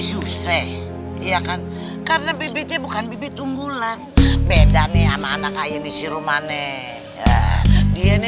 susah ya kan karena bibitnya bukan bibit unggulan beda nih sama anak ayah ini si rumahnya dia ini